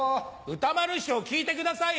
歌丸師匠聞いてくださいよ。